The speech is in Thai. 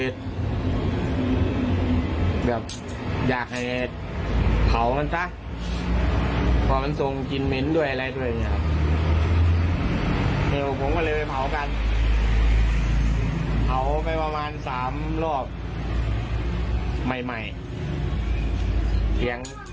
สุดท้ายต่อเลยพูดไว้เรื่อยว่าอย่าหวังเลย